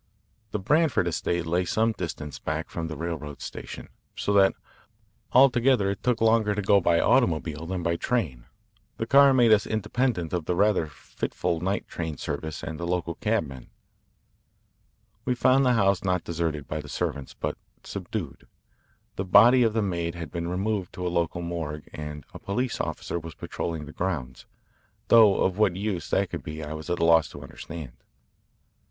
The Branford estate lay some distance back from the railroad station, so that, although it took longer to go by automobile than by train, the car made us independent of the rather fitful night train service and the local cabmen. We found the house not deserted by the servants, but subdued. The body of the maid had been removed to a local morgue, and a police officer was patrolling the grounds, though of what use that could be I was at a loss to understand.